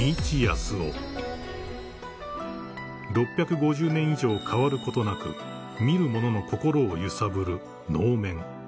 ［６５０年以上変わることなく見る者の心を揺さぶる］